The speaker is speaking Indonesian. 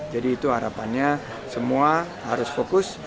jadi itu harapannya semua harus fokus